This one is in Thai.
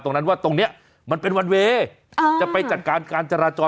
ตรงนั้นว่าตรงเนี้ยมันเป็นวันเวย์จะไปจัดการการจราจร